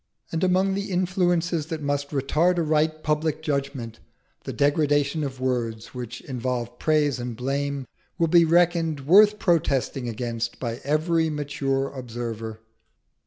And among the influences that must retard a right public judgment, the degradation of words which involve praise and blame will be reckoned worth protesting against by every mature observer.